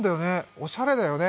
おしゃれだよね。